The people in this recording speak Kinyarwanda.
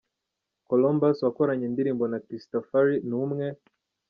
Colombus wakoranye indirimbo na Christafari, ni umwe